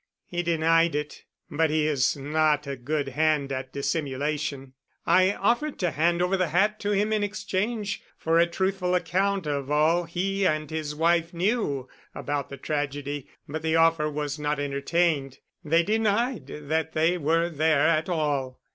"He denied it. But he is not a good hand at dissimulation. I offered to hand over the hat to him in exchange for a truthful account of all he and his wife knew about the tragedy, but the offer was not entertained. They denied that they were there at all."